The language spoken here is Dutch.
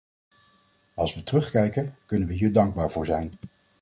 Als we terugkijken, kunnen we hier dankbaar voor zijn.